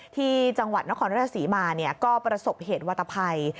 ที่จังหวัดนครราชศรีมาก็ประสบเหตุวัตภัย